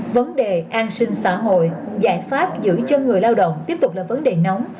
vấn đề an sinh xã hội giải pháp giữ chân người lao động tiếp tục là vấn đề nóng